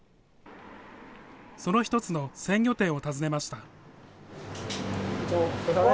その一つの鮮魚店を訪ねました。